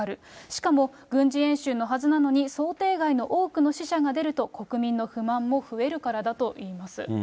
しかも軍事演習のはずなのに想定外の多くの死者が出ると国民の不満も増えるからだといいます。